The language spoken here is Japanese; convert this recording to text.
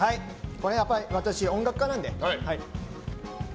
やっぱり私、音楽家なんで。